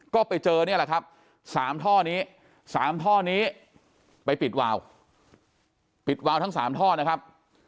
ก็ไปเจอนี่แหละครับ๓ท่อนี้๓ท่อนี้ไปปิดวาวปิดวาวทั้ง๓ท่อนะครับ